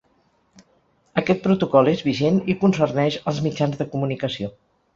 Aquest protocol és vigent i concerneix els mitjans de comunicació.